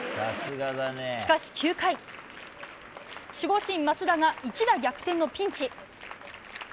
しかし９回守護神・益田が一打逆転のピンチ。